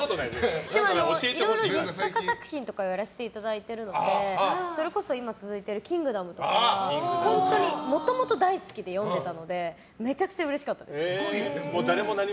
実写化作品とかやらせていただいているのでそれこそ、今続いている「キングダム」とかはもともと大好きで読んでたのでめちゃくちゃうれしかったです。